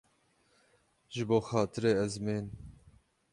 Ji bo xatirê ezmên.